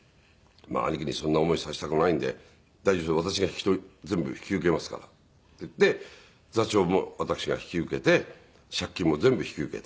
兄貴にそんな思いさせたくないんで「大丈夫ですよ。私が全部引き受けますから」って言って座長も私が引き受けて借金も全部引き受けて。